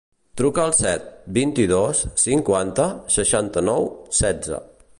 Truca al set, vint-i-dos, cinquanta, seixanta-nou, setze.